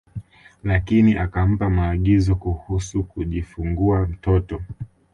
Lakini akampa maagizo kuhusu kujifungua mtoto